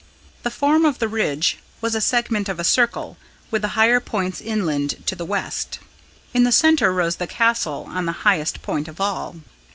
The form of the ridge was a segment of a circle, with the higher points inland to the west. In the centre rose the Castle, on the highest point of all.